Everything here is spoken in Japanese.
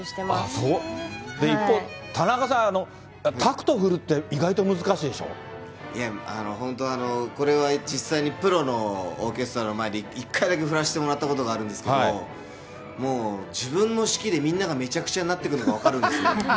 そう、一方、田中さん、タクト振るって、意外と難しいでしょ本当、これは実際に、プロのオーケストラの前で一回だけ振らせてもらったことがあるんですけど、もう自分の指揮でみんながめちゃくちゃになっていくのが分かるんですよね。